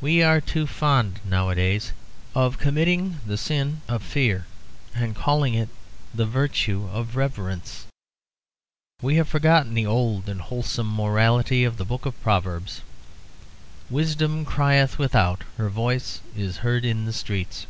We are too fond nowadays of committing the sin of fear and calling it the virtue of reverence. We have forgotten the old and wholesome morality of the Book of Proverbs, 'Wisdom crieth without; her voice is heard in the streets.'